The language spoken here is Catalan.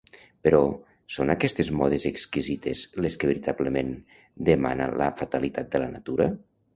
Però, ¿són aquestes modes exquisides les que veritablement demana la fatalitat de la natura?